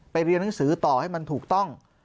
เรียนหนังสือต่อให้มันถูกต้อง